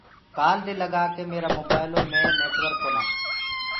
ڪآل دي لگآڪي ميرآ موبآئلو مي نيٽورڪ ڪونآ